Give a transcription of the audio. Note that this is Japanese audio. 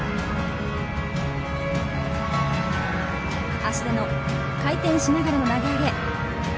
足で回転しながらの投げ上げ。